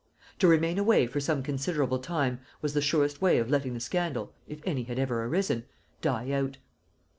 To remain away for some considerable time was the surest way of letting the scandal, if any had ever arisen, die out.